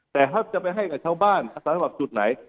แต่ถ้าจะไปให้กับชาวบ้านสำหรับจุดไหน